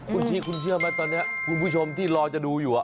คุณชีคุณเชื่อไหมตอนนี้คุณผู้ชมที่รอจะดูอยู่